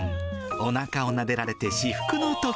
おなかをなでられて至福のとき。